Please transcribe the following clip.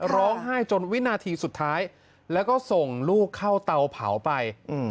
ร้องไห้จนวินาทีสุดท้ายแล้วก็ส่งลูกเข้าเตาเผาไป